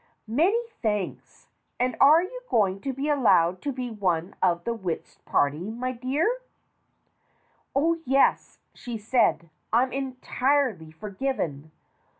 Many thanks. And are you going to be allowed to be one of the whist party, my dear?" "Oh, yes!" she said. "I am entirely forgiven."